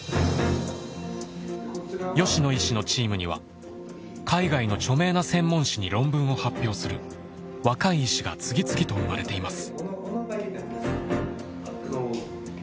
吉野医師のチームには海外の著名な専門誌に論文を発表する若い医師が次々と生まれています。